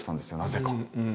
なぜか。